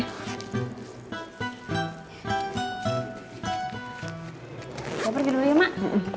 gue pergi dulu ya mak